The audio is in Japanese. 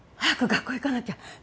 早く学校行かなきゃ。